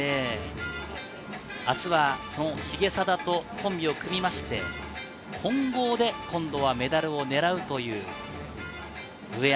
明日は重定とコンビを組みまして、混合で今度はメダルを狙うという上山。